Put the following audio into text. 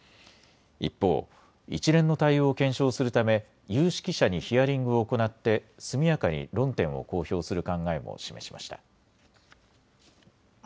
一方、一連の対応を検証するため有識者にヒアリングを行って速やかに論点を公表する考えも示しました。